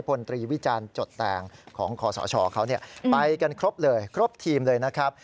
พลตรีวิจารณ์จดแตงของคอสชเขาไปกันครบเลยครบทีมเลยนะครับ